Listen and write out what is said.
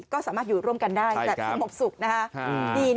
ก็สามารถอยู่ร่วมกันได้แบบสงบสุขนะคะ